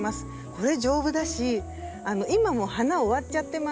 これ丈夫だし今もう花終わっちゃってます。